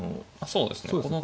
そうですね。